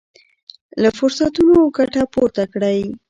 له فرصتونو ګټه پورته کړئ.